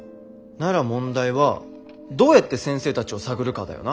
なら問題はどうやって先生たちを探るかだよな。